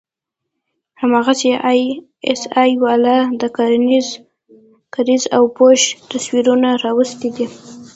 هماغسې آى اس آى والا د کرزي او بوش تصويرونه راوستي دي.